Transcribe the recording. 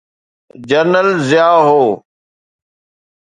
General Zia هو.